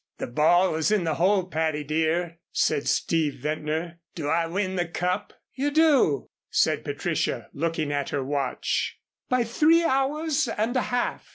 "The ball is in the hole, Patty, dear," said Steve Ventnor. "Do I win the Cup?" "You do," said Patricia, looking at her watch, "by three hours and a half.